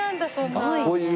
すごいね。